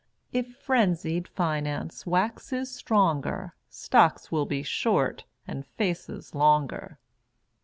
If Frenzied Finance waxes stronger Stocks will be "short" and faces longer.